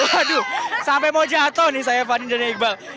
waduh sampai mau jatuh nih saya fani dan iqbal